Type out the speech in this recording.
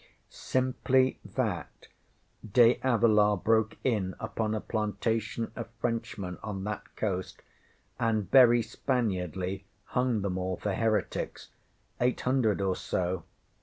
ŌĆśŌĆ£Simply that De Avila broke in upon a plantation of Frenchmen on that coast, and very Spaniardly hung them all for heretics eight hundred or so.